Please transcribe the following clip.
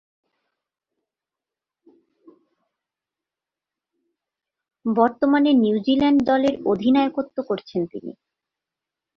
বর্তমানে নিউজিল্যান্ড দলের অধিনায়কত্ব করছেন তিনি।